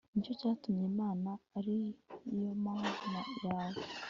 ni cyo cyatumye imana, ari yo mana yawe